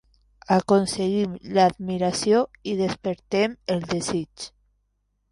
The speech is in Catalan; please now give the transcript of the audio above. Aconseguim l'admiració i despertem el desig.